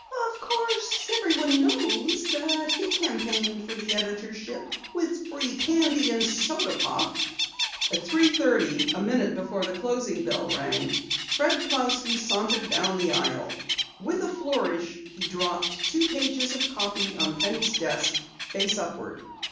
"Of course, everyone knows he campaigned for the editorship with free candy and soda pop." At three thirty, a minute before the closing bell rang, Fred Clousky sauntered down the aisle. With a flourish he dropped two pages of copy on Penny's desk, face upward.